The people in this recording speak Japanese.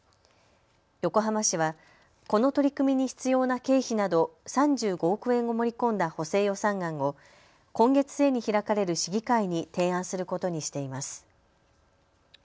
横浜市はこの取り組みに必要な経費など３５億円を盛り込んだ補正予算案を今月末に開かれる市議会に提案することにしています。